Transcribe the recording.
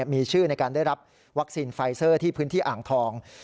มีชื่อในการได้รับวัคซีนไฟเซอร์ที่พื้นที่อ่างทอง